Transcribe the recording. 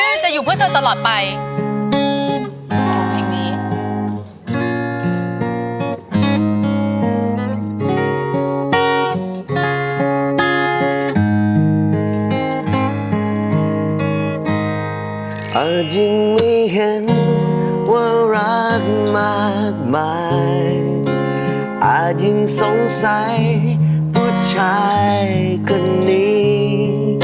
อาจยังไม่เห็นว่ารักมากมายอาจยังสงสัยผู้ชายกันนี้